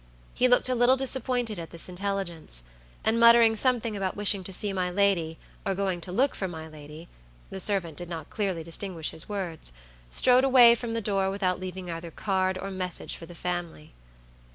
He looked a little disappointed at this intelligence, and muttering something about wishing to see my lady, or going to look for my lady (the servant did not clearly distinguish his words), strode away from the door without leaving either card or message for the family.